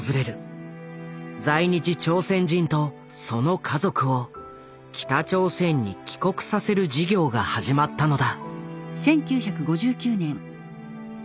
在日朝鮮人とその家族を北朝鮮に帰国させる事業が始まったのだ。